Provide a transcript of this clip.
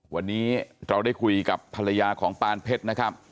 วันนี้เราได้คุยกับภรรยาของปานเพชรนะครับ